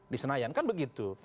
di senayan kan begitu